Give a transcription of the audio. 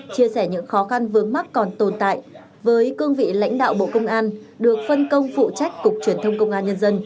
chia sẻ những khó khăn vướng mắt còn tồn tại với cương vị lãnh đạo bộ công an được phân công phụ trách cục truyền thông công an nhân dân